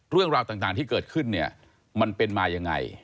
เรื่องราวต่างที่เกิดขึ้นเนี่ยมันเป็นมายังไง